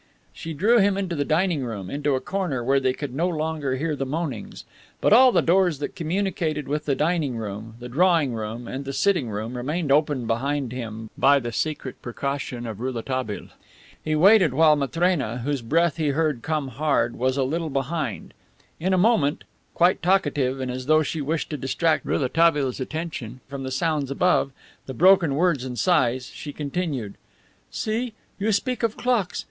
She drew him into the dining room, into a corner where they could no longer hear the moanings. But all the doors that communicated with the dining room, the drawing room and the sitting room remained open behind him, by the secret precaution of Rouletabille. He waited while Matrena, whose breath he heard come hard, was a little behind. In a moment, quite talkative, and as though she wished to distract Rouletabille's attention from the sounds above, the broken words and sighs, she continued: "See, you speak of clocks.